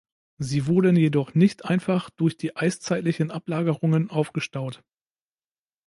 Sie wurden jedoch nicht einfach durch die eiszeitlichen Ablagerungen aufgestaut.